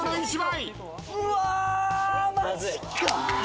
うわマジか！？